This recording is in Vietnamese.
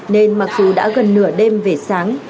nên mặc dù đã gần nửa đêm về sáng